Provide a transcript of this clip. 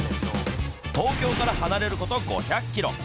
東京から離れること５００キロ。